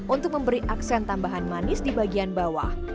untuk memberi aksen tambahan manis di bagian bawah